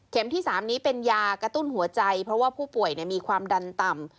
ที่๓นี้เป็นยากระตุ้นหัวใจเพราะว่าผู้ป่วยมีความดันต่ำ